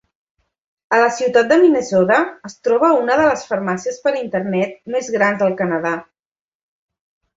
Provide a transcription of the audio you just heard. A la ciutat de Minnedosa es troba una de les farmàcies per internet més grans del Canadà.